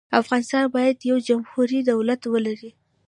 افغانستان باید یو جمهوري دولت ولري.